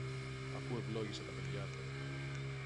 αφού ευλόγησε τα παιδιά του